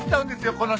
この人。